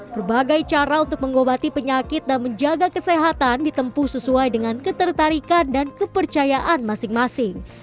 berbagai cara untuk mengobati penyakit dan menjaga kesehatan ditempuh sesuai dengan ketertarikan dan kepercayaan masing masing